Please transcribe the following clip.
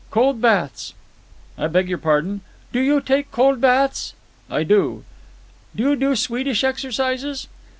Cold baths!" "I beg your pardon?" "Do you take cold baths?" "I do." "Do you do Swedish exercises?"